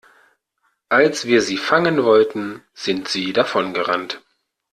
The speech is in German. Als wir sie fangen wollten, sind sie davon gerannt.